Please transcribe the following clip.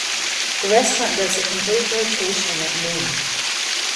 The restaurant does a complete rotation at noon.